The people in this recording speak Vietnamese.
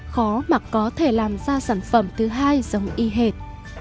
khó mà có thể làm ra sản phẩm thứ hai giống y hệt